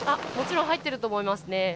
もちろん入ってると思いますね。